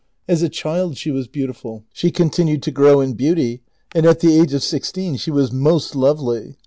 As a child she was beautiful, she continued to grow in beauty, and at the age of sixteen she was most lovely.